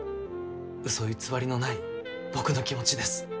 うそ偽りのない僕の気持ちです。